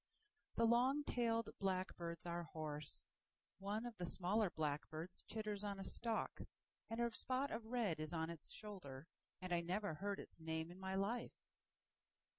The long tailed blackbirds are hoarse. One of the smaller blackbirds chitters on a stalkAnd a spot of red is on its shoulderAnd I never heard its name in my life.